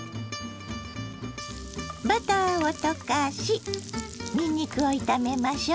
バターを溶かしにんにくを炒めましょ。